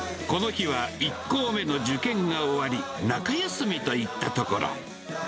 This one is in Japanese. この日は、１校目の受験が終わり、中休みといったところ。